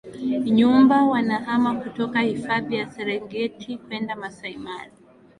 nyumba wanahama kutoka hifadhi ya serengeti kwenda masai mara